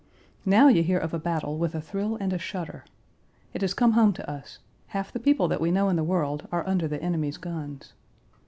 Now you hear of a battle with a thrill and a shudder. It has come home to us; half the people that we know in the world are under the enemy's guns.